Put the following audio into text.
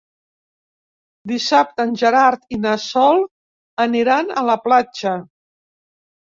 Dissabte en Gerard i na Sol aniran a la platja.